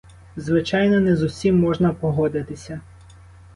Звичайно, не з усім можна погодитися.